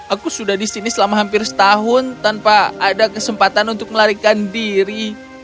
aku sudah di sini selama hampir setahun tanpa ada kesempatan untuk melarikan diri